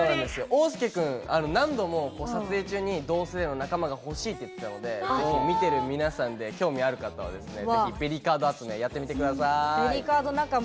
桜涼君、何度も撮影中に同世代の仲間がほしいと言っていたので見ている皆さんで興味のある方はぜひ、ベリカード集めやってみてください。